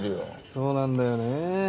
そうなんだよねえ。